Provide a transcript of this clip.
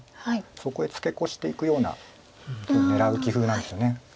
そこへツケコシていくような手を狙う棋風なんですよね。